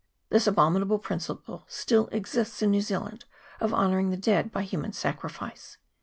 ' This abominable principle still exists in New Zea land of honouring the dead by human sacrifice.